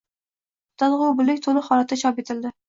“Qutadgʻu bilig“ toʻliq holatda chop etildi